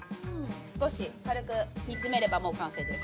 少し軽く煮詰めれば完成です。